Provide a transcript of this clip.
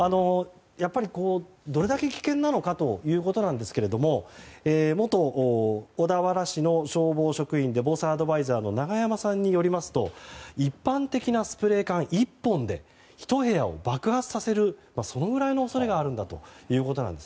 どれだけ危険なのかということですが元小田原市の消防職員で防災アドバイザーの永山さんによりますと一般的なスプレー缶１本でひと部屋を爆発させるくらいの恐れがあるんだということです。